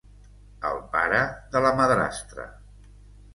El pare de la madrastra.